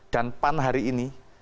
dan pan hari ini